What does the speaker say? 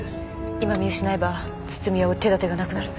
今見失えば堤を追う手だてがなくなる。